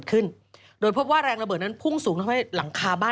ซึ่งตอน๕โมง๔๕นะฮะทางหน่วยซิวได้มีการยุติการค้นหาที่